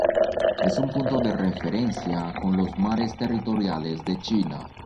Es un punto de referencia de los mares territoriales de China.